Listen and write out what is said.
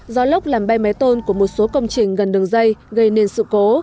gió lốc làm bay máy tôn của một số công trình gần đường dây gây nên sự cố